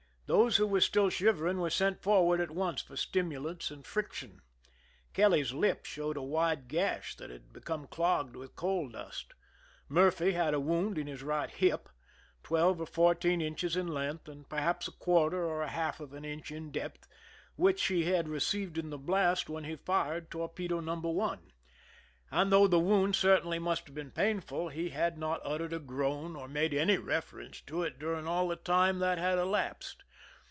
Those who were still shivering were sent forward at once for stimulants and friction. Kelly's lip showed a wide gash that had become clogged with coal dust. Murphy had a wound in his right hip, twelve or fourteen inches in length and perhaps a quarter or a half of an inch in depth, which he had received in the blast when he fired torpedo No. 1 ; and though the wound cer tainly must have been very painful, he had not uttered a groan or made any reference to it during all the time that had elapsed.